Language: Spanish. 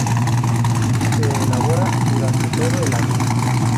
Se elabora durante todo el año.